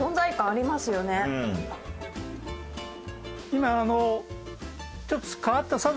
今あのちょっと変わった。